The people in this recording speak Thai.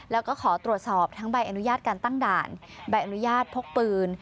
แล้วก็ขอตรวจสอบทั้งใบอนุญาตการตั้งด่านใบอนุญาตพกปืน